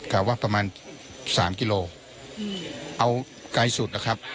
กล่าวว่าประมาณสามกิโลเอาไกลสุดนะครับ